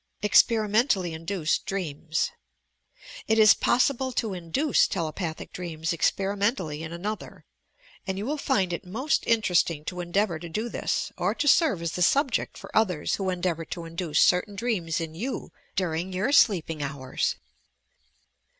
EXPERIMENTALLY INDUCED DREAMS It is possible to induce telepathic dreams experiment ally in another, and you will 6nd it most interesting to endeavour to do this, or to serve as the subject for others who endeavour to induce certain dreams in you during your sleeping hours.